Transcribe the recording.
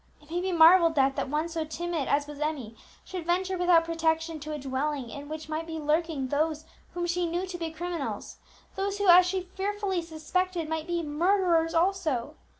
It may be marvelled at that one so timid as was Emmie should venture without protection to a dwelling in which might be lurking those whom she knew to be criminals, those who, as she fearfully suspected, might be murderers also.